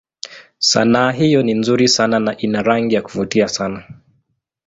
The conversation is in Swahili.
Sanaa hiyo ni nzuri sana na ina rangi za kuvutia sana.